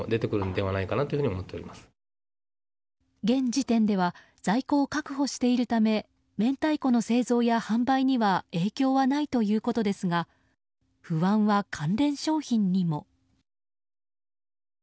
現時点では在庫を確保しているため明太子の製造や販売には影響はないということですが不安は関連商品にも。